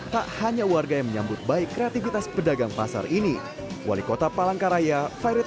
tak hanya warga yang menyambut baik kreativitas pedagang pasar ini wali kota palangkaraya fairit